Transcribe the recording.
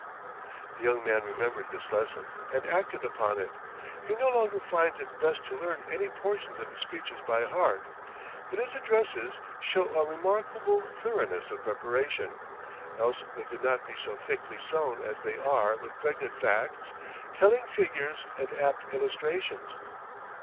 The young man remembered this lesson, and acted upon it. He no longer finds it best to learn any portions of his speeches by heart, but his addresses show a remarkable thoroughness of preparation, else they could not be so thickly sown as they are with pregnant facts, telling figures, and apt illustrations.